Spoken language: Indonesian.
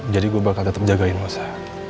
jadi gue bakal tetep jagain lo sa